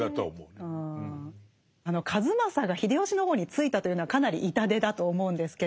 数正が秀吉の方についたというのはかなり痛手だと思うんですけれど。